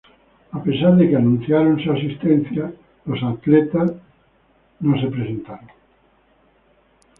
A pesar de que anunciaron su asistencia, los atletas de y no se presentaron.